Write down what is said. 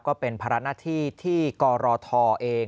ก็เป็นภาระหน้าที่ที่กรทเอง